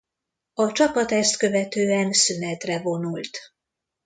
A csapat ezt követően szünetre vonult.